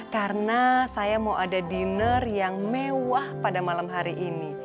karena saya mau ada dinner yang mewah pada malam hari ini